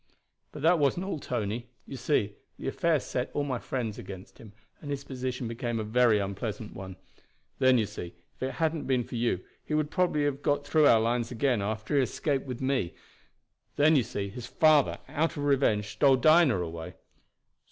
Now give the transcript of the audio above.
"But that wasn't all, Tony. You see, the affair set all my friends against him, and his position became a very unpleasant one. Then, you see, if it hadn't been for you he would probably have got through to our lines again after he had escaped with me. Then, you see, his father, out of revenge, stole Dinah away."